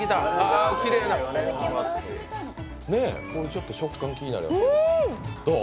これちょっと食感気になる、どう？